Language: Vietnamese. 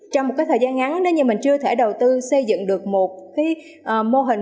trong một cái thời gian ngắn nếu như mình chưa thể đầu tư xây dựng được một cái mô hình